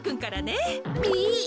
えっ！